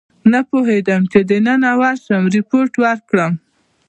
نه پوهېدم چې دننه ورشم ریپورټ ورکړم.